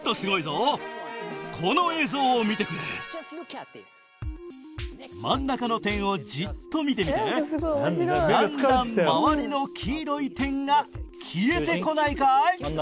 今ホントに真ん中の点をじっと見てみてだんだん周りの黄色い点が消えてこないかい？